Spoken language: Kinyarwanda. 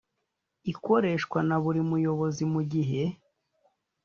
ikoreshwe na buri muyobozi mu gihe